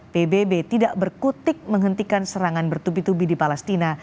pbb tidak berkutik menghentikan serangan bertubi tubi di palestina